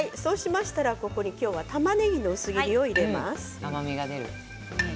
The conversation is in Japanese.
ここに、たまねぎの薄切りを入れます。